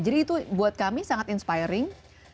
jadi itu buat kami sangat inspiring